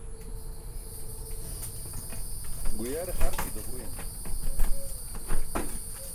Guyar harki duġuymi.